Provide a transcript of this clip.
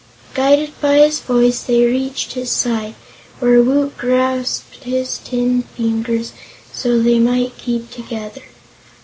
Guided by his voice, they reached his side, where Woot grasped his tin fingers so they might keep together.